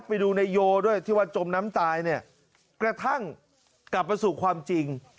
ไปดูนายโยด้วยที่ว่าจมน้ำตายเนี่ยกระทั่งกลับมาสู่ความจริง